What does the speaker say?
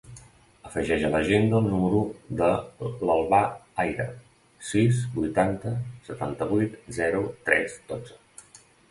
Afegeix a l'agenda el número de l'Albà Aira: sis, vuitanta, setanta-vuit, zero, tres, dotze.